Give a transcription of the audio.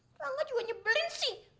wah rangga juga nyebelin sih